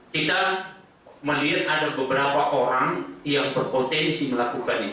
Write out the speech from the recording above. kita melihat ada beberapa orang yang berpotensi melakukan itu